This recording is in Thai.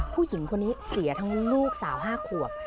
ผู้หญิงคนนี้เสียทั้งลูกสาว๕ขวบ